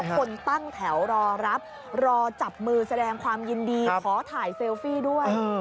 คนตั้งแถวรอรับรอจับมือแสดงความยินดีขอถ่ายเซลฟี่ด้วย